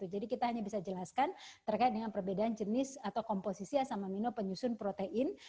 jadi kita hanya bisa jelaskan terkait dengan perbedaan jenis atau komposisi asam amino penyusun protein